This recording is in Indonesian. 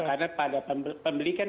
karena pada pembeli kan